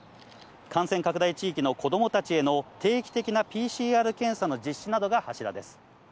感染拡大地域の子どもたちへの定期的なＰＣＲ検査の実施などが柱です。